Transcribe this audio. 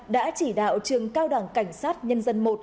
đã chỉ đạo trường cao đảng cảnh sát nhân dân một